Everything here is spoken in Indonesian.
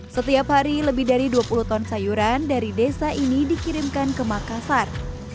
setiap hari lebih dari dua puluh ton sayuran dari desa ini dikirimkan ke makassar